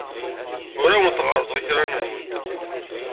Ur awent-ɣerrseɣ akraren-nwent.